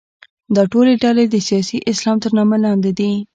دا ټولې ډلې د سیاسي اسلام تر نامه لاندې دي.